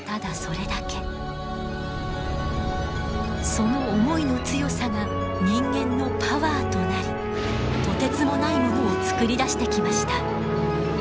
その思いの強さが人間のパワーとなりとてつもないものを作り出してきました。